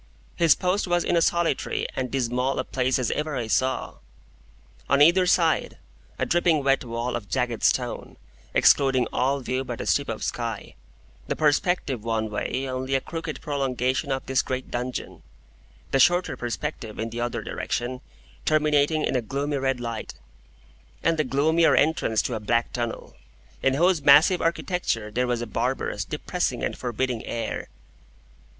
His post was in as solitary and dismal a place as ever I saw. On either side, a dripping wet wall of jagged stone, excluding all view but a strip of sky; the perspective one way only a crooked prolongation of this great dungeon; the shorter perspective in the other direction terminating in a gloomy red light, and the gloomier entrance to a black tunnel, in whose massive architecture there was a barbarous, depressing, and forbidding air.